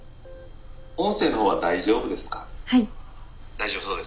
「音声のほうは大丈夫ですか？」。